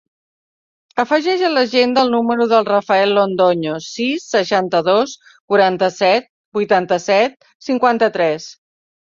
Afegeix a l'agenda el número del Rafael Londoño: sis, seixanta-dos, quaranta-set, vuitanta-set, cinquanta-tres.